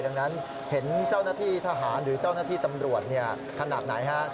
ดังนั้นเห็นเจ้าหน้าที่ทหารหรือเจ้าหน้าที่ตำรวจขนาดไหนฮะ